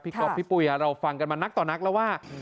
ก๊อฟพี่ปุ๋ยเราฟังกันมานักต่อนักแล้วว่า